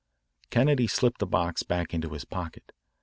Kennedy slipped the box back into his pocket.